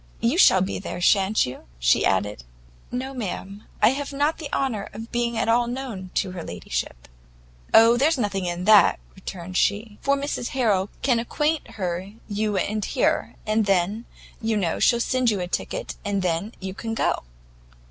"You shall be there, shan't you?" she added. "No, ma'am, I have not the honour of being at all known to her ladyship." "Oh, there's nothing in that," returned she, "for Mrs Harrel can acquaint her you are here, and then, you know, she'll send you a ticket, and then you can go."